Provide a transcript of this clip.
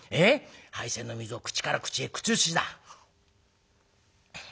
杯洗の水を口から口へ口移しだ」。